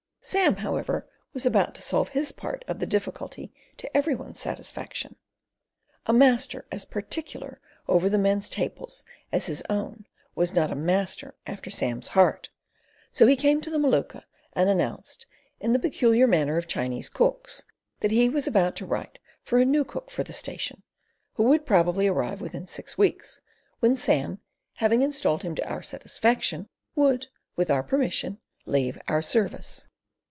Sam, however, was about to solve his part of the difficulty to every one's satisfaction. A master as particular over the men's table as his own was not a master after Sam's heart, so he came to the Maluka, and announced, in the peculiar manner of Chinese cooks, that he was about to write for a new cook for the station, who would probably arrive within six weeks, when Sam, having installed him to our satisfaction, would, with our permission, leave our service.